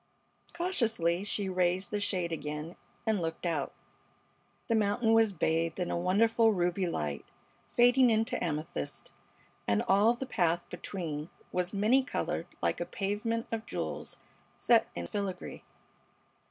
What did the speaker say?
Cautiously she raised the shade again and looked out. The mountain was bathed in a wonderful ruby light fading into amethyst, and all the path between was many colored like a pavement of jewels set in filigree.